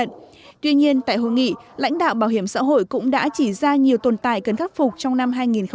tuy nhiên tại hương nghị lãnh đạo bảo hiểm xã hội cũng đã chỉ ra nhiều tồn tại cần khắc phục trong năm hai nghìn một mươi bảy